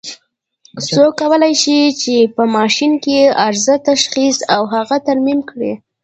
څوک کولای شي چې په ماشین کې عارضه تشخیص او هغه ترمیم کړي؟